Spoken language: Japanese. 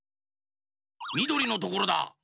みどりのところだ。